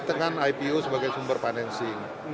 dengan ipo sebagai sumber financing